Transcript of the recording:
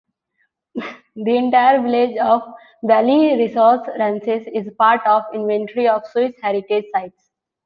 The entire village of Valeyres-sous-Rances is part of the Inventory of Swiss Heritage Sites.